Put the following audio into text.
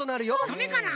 ダメかな。